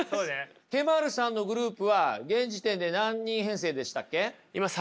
Ｋ−ｍａｒｕさんのグループは現時点で何人編成でしたっけ？